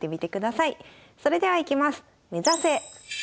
それではいきます。